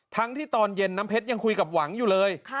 ที่ตอนเย็นน้ำเพชรยังคุยกับหวังอยู่เลย